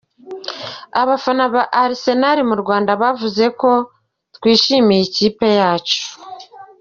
Abafana ba Arsenal mu Rwanda bavuze ko “Twishimiye ikipe yacu.